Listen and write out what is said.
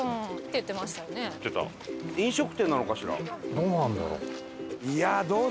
どうなんだろう？